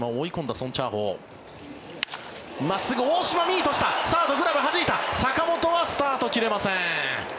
サード、グラブはじいた坂本はスタート切れません。